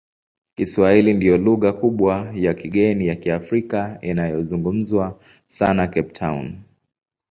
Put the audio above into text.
Kiswahili ndiyo lugha kubwa ya kigeni ya Kiafrika inayozungumzwa sana Cape Town.